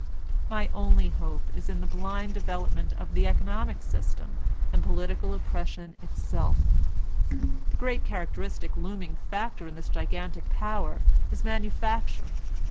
My only hope is in the blind development of the economic system and political oppre ss ion itself. The great characteristic looming factor in this gigantic power is Manufacture.